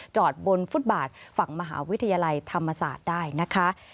จอดบนฟุตบาทฝั่งมหาวิทยาลัยธรรมศาสตร์ได้นะคะ